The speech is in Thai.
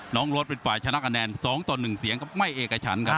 น้องโรสเป็นฝ่ายชนะกันแนนสองต่อหนึ่งเสียงครับไม่เอกชั้นครับ